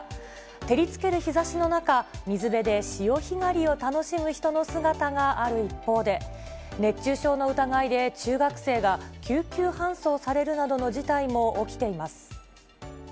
照りつける日ざしの中、水辺で潮干狩りを楽しむ人の姿がある一方で、熱中症の疑いで中学生が救急搬送されるなどの事態も起きています。